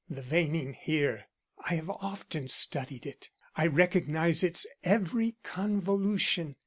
"The veining here. I have often studied it. I recognize its every convolution.